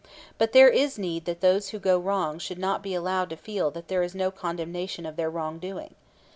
But there is need that those who go wrong should not be allowed to feel that there is no condemnation of their wrongdoing.